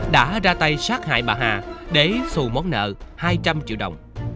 đã ra tay sát hại bà hà để xù món nợ hai trăm linh triệu đồng